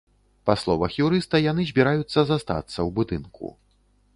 Па словах юрыста, яны збіраюцца застацца ў будынку.